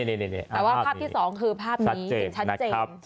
แต่ว่าภาพที่๒คือภาพนี้เห็นชัดเจน